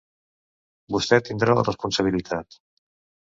Vostè tindrà la responsabilitat.